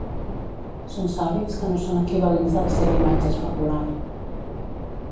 Són sòlids que no són equivalents a la seva imatge especular.